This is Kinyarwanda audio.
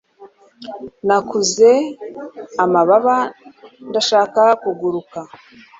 nakuze amababa, ndashaka kuguruka